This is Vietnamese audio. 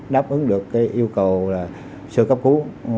đáp ứng được yêu cầu sơ cấp cứu